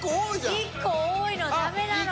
１個多いのダメなの？